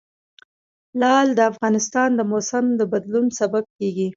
لعل د افغانستان د موسم د بدلون سبب کېږي.